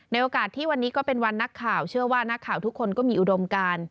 โอกาสที่วันนี้ก็เป็นวันนักข่าวเชื่อว่านักข่าวทุกคนก็มีอุดมการ